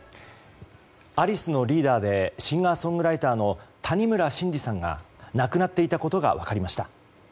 アリスのリーダーでシンガーソングライターの谷村新司さんが亡くなっていたことが分かりました。